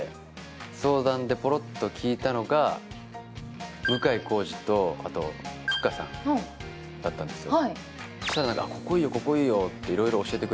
相談でポロッと聞いたのが、向井康二とふっかさんだつたんですよ。